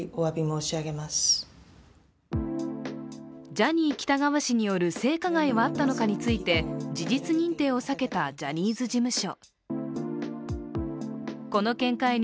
ジャニー喜多川氏による性加害はあったのかについて事実認定を避けたジャニーズ事務所。